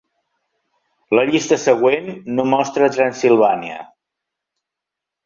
La llista següent no mostra Transilvània.